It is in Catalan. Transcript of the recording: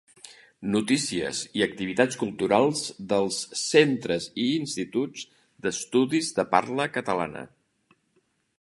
Notícies i activitats culturals dels Centres i Instituts d'Estudis de Parla Catalana.